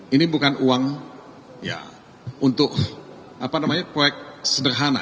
ini bukan uang ya untuk apa namanya proyek sederhana